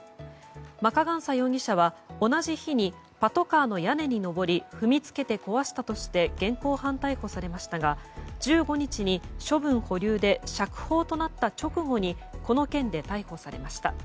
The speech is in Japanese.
マカガンサ容疑者は同じ日にパトカーの屋根に上り踏みつけて壊したとして現行犯逮捕されましたが１５日に処分保留で釈放となった直後にこの件で逮捕されました。